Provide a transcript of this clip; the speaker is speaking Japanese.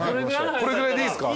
これぐらいでいいですか？